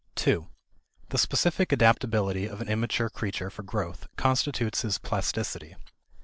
2. The specific adaptability of an immature creature for growth constitutes his plasticity.